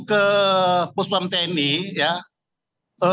ke puspam tni ya